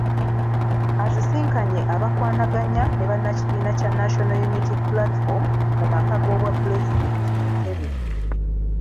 Asisinkanye abakwanaganya ne bannakibiina kya National Unity Platform mu maka g’obwapulezidenti e Ntebe.